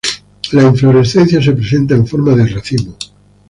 La inflorescencia se presenta en forma de racimo.